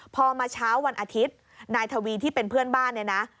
พอมาเช้าวันอาทิตย์นายทวีที่เป็นเพื่อนบ้านเนี่ยนะ